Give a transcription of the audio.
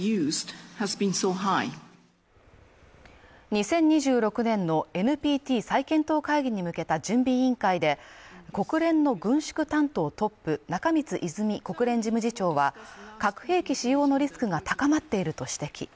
２０２６年のＮＰＴ再検討会議に向けた準備委員会で国連の軍縮担当トップ中満泉国連事務次長は核兵器使用のリスクが高まっていると指摘